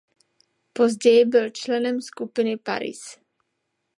Později byl členem skupiny Paris.